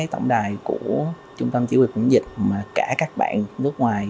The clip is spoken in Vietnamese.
tổng đài của trung tâm chỉ huy phòng chống dịch mà cả các bạn nước ngoài